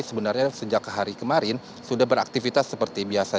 sebenarnya sejak hari kemarin sudah beraktivitas seperti biasa